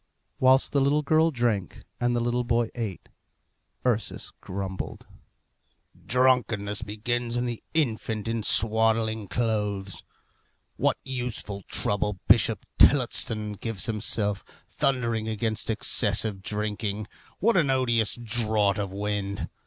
Whilst the little girl drank, and the little boy ate, Ursus grumbled, "Drunkenness begins in the infant in swaddling clothes. What useful trouble Bishop Tillotson gives himself, thundering against excessive drinking. What an odious draught of wind!